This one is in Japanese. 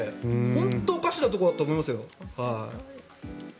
本当におかしなところだと思いますよ。